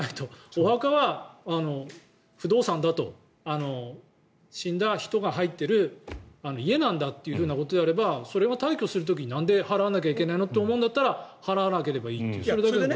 お墓は不動産だと死んだ人が入っている家なんだということであればそれは退去する時になんで払わないといけないの？って思うんだったら払わなければいいと思っちゃう。